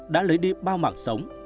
đã lấy đi bao mạng sống